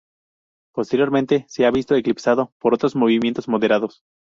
Posteriormente se ha visto eclipsado por otros movimientos moderados.